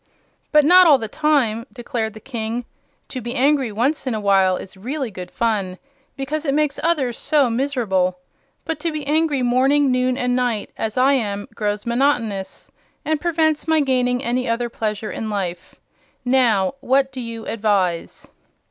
"But not all the time," declared the King. "To be angry once in a while is really good fun, because it makes others so miserable. But to be angry morning, noon and night, as I am, grows monotonous and prevents my gaining any other pleasure in life. Now what do you advise?"